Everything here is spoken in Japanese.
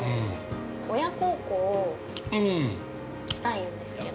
◆親孝行したいんですけど。